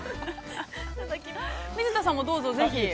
◆水田さんもどうぞ、ぜひ。